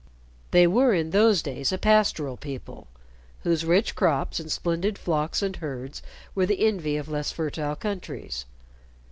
They were in those days a pastoral people, whose rich crops and splendid flocks and herds were the envy of less fertile countries.